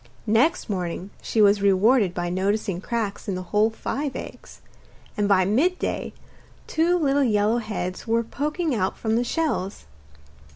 Next morning she was rewarded by noticing cracks in the whole five eggs, and by midday two little yellow heads were poking out from the shells.